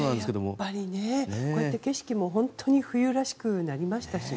やっぱりこうやって景色も本当に冬らしくなりましたしね。